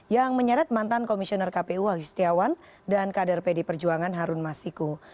yang menyeret mantan komisioner kpu wahyu setiawan dan kader pd perjuangan harun masiku